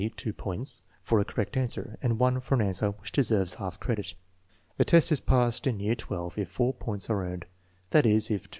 2 points, for a correct answer, and 1 for an answer which deserves half credit. The test is passed in year XII if 4 points are earned; that is, if two TEST NO.